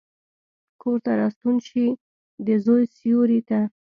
کورته راستون شي، دزوی سیورې ته،